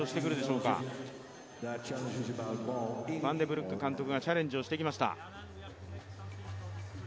ブルック監督がチャレンジをしてきました。